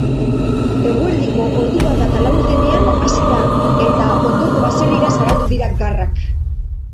Eguerdiko ordubata eta laurdenean hasi da eta ondoko baserrira zabaldu dira garrak.